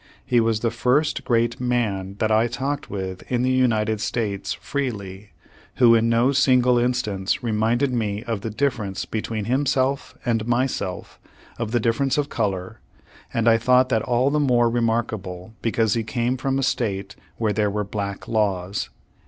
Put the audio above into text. He was the first great man that I talked with in the United States freely, who in no single instance reminded me of the difference between himself and myself, of the difference of color, and I thought that all the more remarkable because he came from a State where there were black laws."